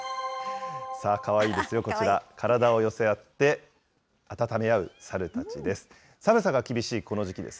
かわいいですよ、こちら、体を寄せ合って、温め合うサルたちです。